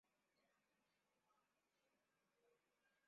na wengi ni wale ambao wanaendelea kubakwa hata tangu ile siku ya ya